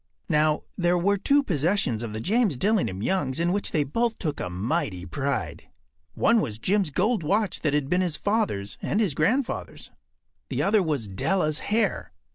Now, there were two possessions of the James Dillingham Youngs in which they both took a mighty pride. One was Jim’s gold watch that had been his father’s and his grandfather’s. The other was Della’s hair.